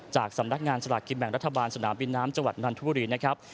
จากสำนักงานสลากกินแบ่งรัฐบาลสนามบินน้ำจังหวัดนันทบุรีนะครับ